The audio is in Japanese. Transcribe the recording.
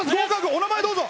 お名前、どうぞ。